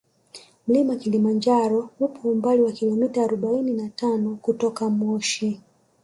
Mlima kilimanjaro upo umbali wa kilometa arobaini na tano kutoka moshi